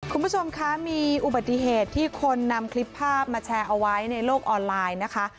คุณผู้ชมคะมีอุบัติเหตุที่คนนำคลิปภาพมาแชร์เอาไว้ในโลกออนไลน์นะคะ